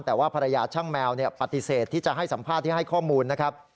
แต่ว่าภรรยาช่างแมวปฏิเสธที่จะให้สัมภาษณ์ที่ให้ข้อมูลนะครับ